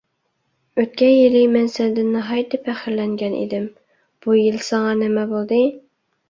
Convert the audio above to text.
ئۆتكەن يىلى مەن سەندىن ناھايىتى پەخىرلەنگەنىدىم، بۇ يىل ساڭا نېمە بولدى؟